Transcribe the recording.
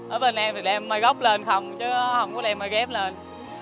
ở bên em thì đem may gốc lên không chứ không có đem may ghép lên